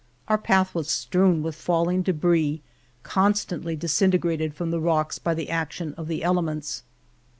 Our path was strewn with falling debris, constantly disin tegrated from the rocks by the action of the elements.